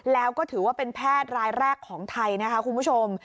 แล้วก็ถือว่าเป็นแพทย์รายแรกของไทยนะคะคุณผู้ชม